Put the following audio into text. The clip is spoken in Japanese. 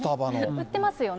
売ってますよね。